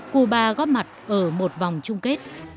cuba góp mặt ở một vòng chung kết